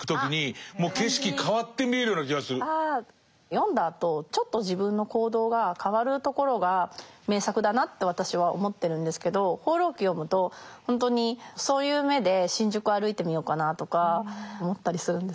読んだあとちょっと自分の行動が変わるところが名作だなと私は思ってるんですけど「放浪記」を読むと本当にそういう目で新宿を歩いてみようかなとか思ったりするんですよね。